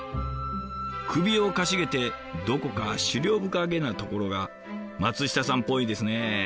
首をかしげてどこか思慮深げなところが松下さんっぽいですね。